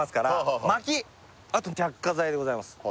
あと着火剤でございます